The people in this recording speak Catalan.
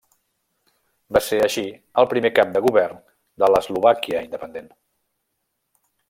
Va ser així el primer cap de govern de l'Eslovàquia independent.